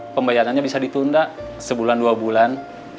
pembayarannya bisa ditunda sebulan dua bulan